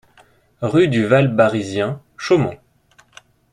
Rue du Val Barizien, Chaumont